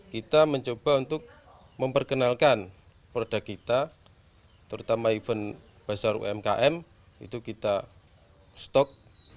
kita mencoba untuk memperkenalkan produk kita terutama event pasar umkm itu kita stok